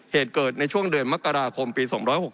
เหตุเกิดในช่วงเดือนมกราคมปี๒๖๖